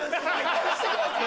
出してください！